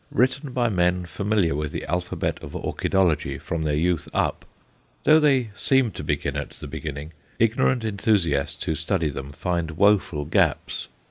Written by men familiar with the alphabet of orchidology from their youth up, though they seem to begin at the beginning, ignorant enthusiasts who study them find woeful gaps.